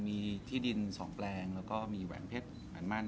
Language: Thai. มีที่ดิน๒แปลงแล้วก็มีหวั่นเผ็ดหวั่นมั่น